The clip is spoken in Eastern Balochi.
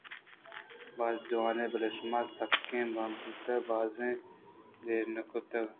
باز جوان بلئے شماسکیں نابوداِت کہ باز دیرءَ اتکگ اِت